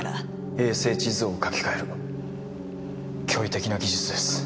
衛星地図を書き換える驚異的な技術です。